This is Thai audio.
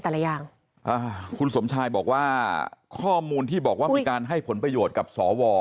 อย่างอ่าคุณสมชายบอกว่าข้อมูลที่บอกว่ามีการให้ผลประโยชน์กับสว